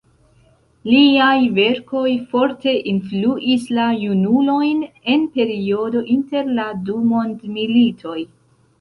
Liaj verkoj forte influis la junulojn en periodo inter la du mondmilitoj.